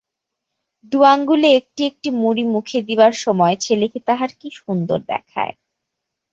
দু আঙুলে একটি একটি মুড়ি মুখে দিবার সময় ছেলেকে তাহার কী সুন্দর দেখায়।